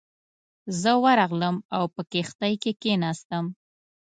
زه ورغلم او په کښتۍ کې کېناستم.